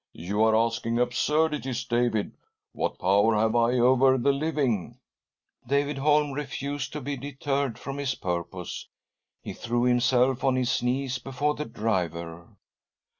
" "You are asking absurdities, David. What power have I over the living ?" David Holm refused to be deterred from his purpose. He threw himself on his knees before the driver.